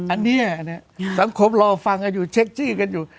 อันนี้สังคมรอฟังกันอยู่เช็คชื่อกันอยู่